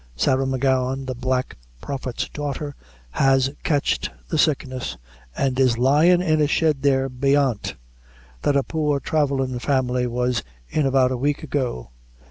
Sarah M'Gowan, the Black Prophet's daughter, has catched the sickness, and is lyin' in a shed there beyant, that a poor thravellin' family was in about a week ago.